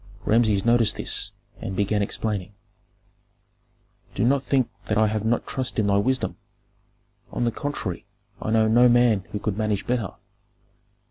Rameses noticed this, and began explaining, "Do not think that I have not trust in thy wisdom. On the contrary, I know no man who could manage better.